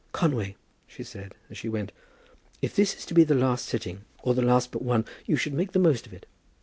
"Conway," she said, as she went, "if this is to be the last sitting, or the last but one, you should make the most of it."